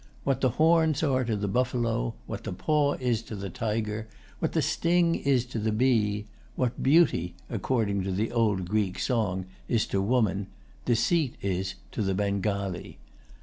What the horns are to the buffalo, what the paw is to the tiger, what the sting is to the bee, what beauty, according to the old Greek song, is to woman, deceit is to the Bengalee.